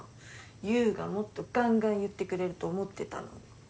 悠がもっとガンガン言ってくれると思ってたのに。